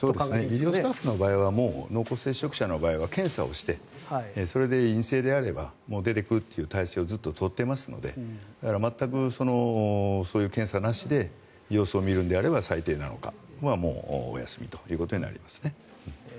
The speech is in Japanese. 医療スタッフの場合は濃厚接触者の場合は検査をして、それで陰性であればもう出てくるという体制をずっと取っていますので全くそういう検査なしで様子を見るのであれば最低７日はお休みとなります。